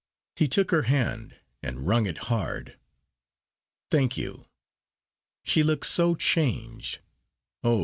He took her hand, and wrung it hard. "Thank you. She looked so changed oh!